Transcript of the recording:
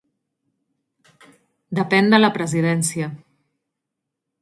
Depèn de la Presidència.